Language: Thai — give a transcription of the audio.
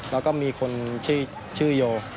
แล้วก็มีคนชื่อโย